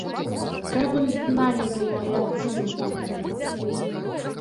Каб ім дна не было і акцызнікам тым!